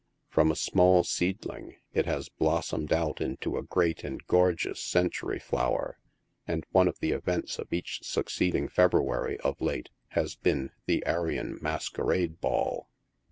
From a small seedling, it has blossomed out into a great and gorgeous century flower, and one of the events of each succeeding February, of late, has been the Arion Masquerade Ball.